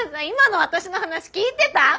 今の私の話聞いてた？